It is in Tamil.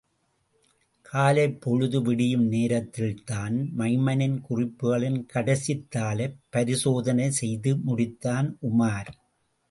காலைப்பொழுது விடியும் நேரத்தில்தான், மைமனின் குறிப்புகளின் கடைசித் தாளைப் பரிசோதனை செய்து முடித்தான் உமார்.